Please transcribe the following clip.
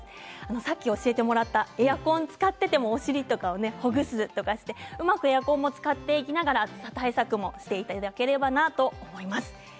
さっき教えてもらったエアコンを使っていてもお尻をほぐすとかしてうまくエアコンも使っていきながら暑さ対策もしていただければなと思います。